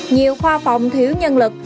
nhiều khoa phòng thiếu nhân lực